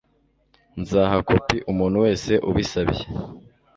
Nzaha kopi umuntu wese ubisabye.